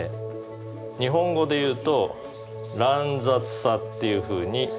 日本語で言うと乱雑さっていうふうに。